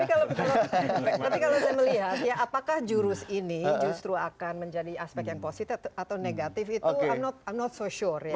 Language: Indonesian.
tapi kalau saya melihat ya apakah jurus ini justru akan menjadi aspek yang positif atau negatif itu uno sour ya